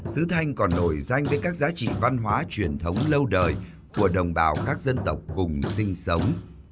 sứ thanh còn nổi danh với các giá trị văn hóa truyền thống lâu đời của đồng bào các dân tộc cùng sinh sống